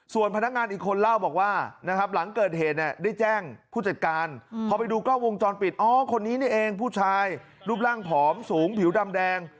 ส่วนพนักงานอีกคนเล่าบอกว่านะครับหลังเกิดเหตุเนี่ยได้แจ้งผู้จัดการพอไปดูกล้องวงจรปิดอ๋อคนนี้นี่เองผู้ชายรูปร่างผอมสูงผิวดำแดง